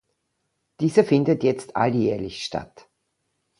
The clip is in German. Dieser findet jetzt alljährlich statt.